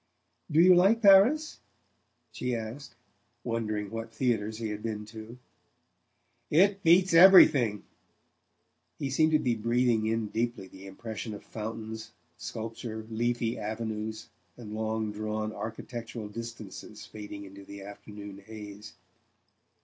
"Do you like Paris?" she asked, wondering what theatres he had been to. "It beats everything." He seemed to be breathing in deeply the impression of fountains, sculpture, leafy' avenues and long drawn architectural distances fading into the afternoon haze.